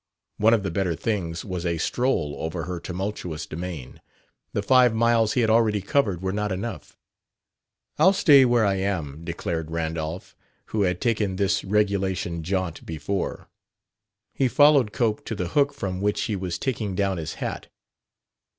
One of the better things was a stroll over her tumultuous domain: the five miles he had already covered were not enough. "I'll stay where I am," declared Randolph, who had taken this regulation jaunt before. He followed Cope to the hook from which he was taking down his hat.